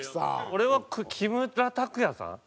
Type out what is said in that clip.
俺は木村拓哉さん。